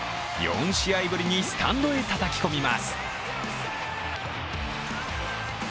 ４試合ぶりにスタンドへたたき込みます。